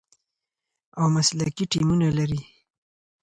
او مسلکي ټیمونه لري،